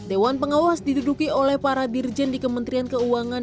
dewan pengawas diduduki oleh para dirjen di kementerian keuangan